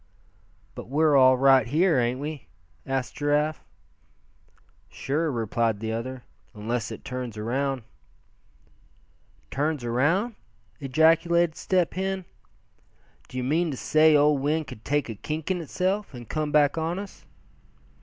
"But we're all right here, ain't we?" asked Giraffe. "Sure," replied the other, "unless it turns around." "Turns around!" ejaculated Step Hen. "D'ye mean to say that old wind could take a kink in itself, and come back on us?"